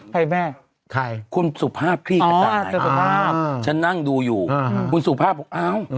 ใครแม่ไข้คุณสุภาพที่อ๋อชะนั่งดูอยู่คุณสุภาพเอา